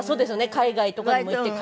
海外とかにも行って帰られて。